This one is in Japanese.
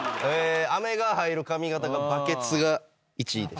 アメが入る髪型がバケツが１位でした。